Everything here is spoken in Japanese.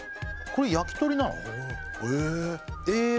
これ焼鳥なの？